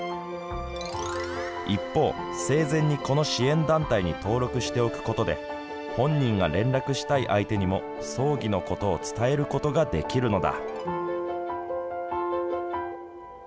一方、生前にこの支援団体に登録しておくことで本人が連絡したい相手にも葬儀のことを伝えることができるのだ。